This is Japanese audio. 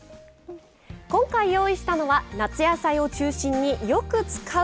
今回用意したのは夏野菜を中心によく使う野菜ばかり。